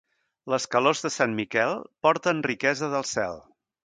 Les calors de Sant Miquel porten riquesa del cel.